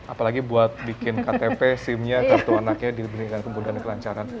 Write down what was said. apalagi buat bikin ktp sim nya kartu anaknya dibandingkan kemudian kelancaran